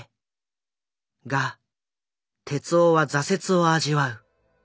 が徹男は挫折を味わう。